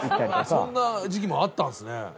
そんな時期もあったんですね。